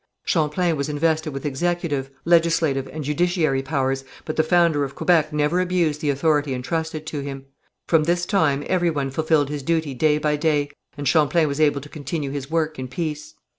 Champlain was invested with executive, legislative and judiciary powers, but the founder of Quebec never abused the authority intrusted to him. From this time every one fulfilled his duty day by day, and Champlain was able to continue his work in peace.